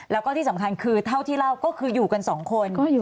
แล้วก็ที่สำคัญคือเท่าที่เล่าก็คืออยู่กันสองคน